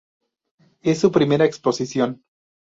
Es su primera exposición.